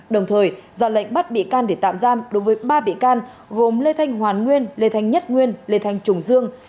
đồng thời ra lệnh bắt bị can để tạm giam đối với ba bị can gồm lê thanh hoàn nguyên lê thanh nhất nguyên lê thanh trùng dương